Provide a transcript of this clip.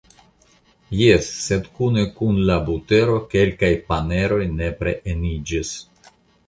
Jes, sed kune kun la butero kelkaj paneroj nepre eniĝis.